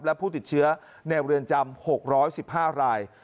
และผู้ติดเชื้อในเรือนจำ๖๑๕ราย